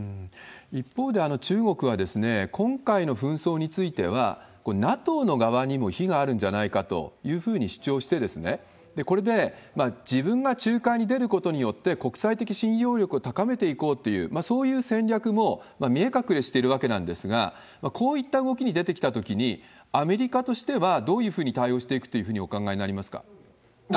一方で中国は、今回の紛争については、これ、ＮＡＴＯの側にも非があるんじゃないかというふうに主張して、これで自分が仲介に出ることによって国際的信用力を高めていこうっていう、そういう戦略も見え隠れしているわけなんですが、こういった動きに出てきたときに、アメリカとしてはどういうふうに対応していくというふうにお考え